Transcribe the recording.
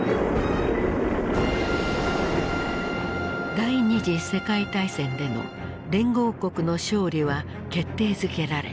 第二次世界大戦での連合国の勝利は決定づけられた。